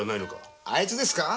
あいつですか？